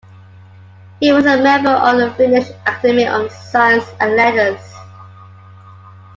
He was a member of the Finnish Academy of Science and Letters.